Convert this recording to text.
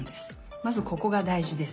まずここがだいじです。